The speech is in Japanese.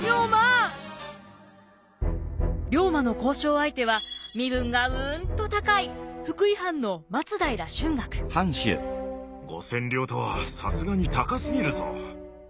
龍馬の交渉相手は身分がうんと高い５，０００両とはさすがに高すぎるぞ。